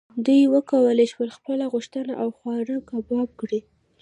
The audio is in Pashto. دوی وکولی شول خپله غوښه او خواړه کباب کړي.